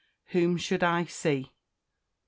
Whom should I see? 14.